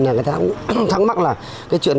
người ta cũng thắng mắc là